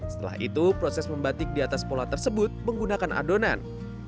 setelah itu proses membatik di atas pola tersebut menggunakan adonan